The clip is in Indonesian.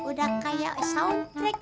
udah kayak soundtrack